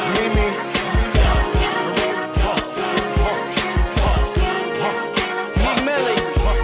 มีมิลลิ